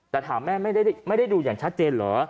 แต่ถามแม่ไม่ได้ดูอย่างชัดเจนเหรอ